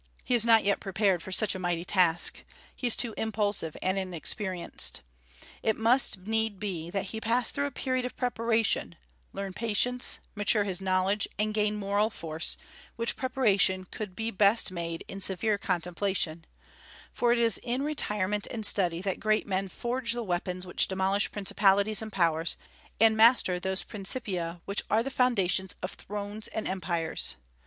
He is not yet prepared for such a mighty task. He is too impulsive and inexperienced. It must need be that he pass through a period of preparation, learn patience, mature his knowledge, and gain moral force, which preparation could be best made in severe contemplation; for it is in retirement and study that great men forge the weapons which demolish principalities and powers, and master those principia which are the foundation of thrones and empires.